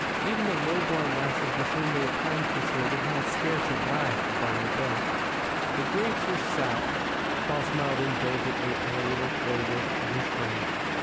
Even the low born lasses with whom they at times consorted had scarce an eye for Barney Bill. The grapes were sour. Paul smiled indulgently on the little foible of his friend.